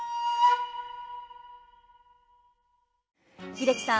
英樹さん